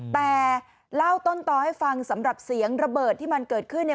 แต่เล่าต้นต่อให้ฟังสำหรับเสียงระเบิดที่มันเกิดขึ้นเนี่ย